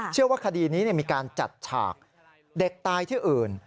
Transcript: เชื่อว่าคดีนี้มีการจัดฉากเด็กตายที่อื่น